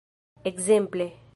ekzemple